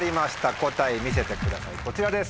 答え見せてくださいこちらです。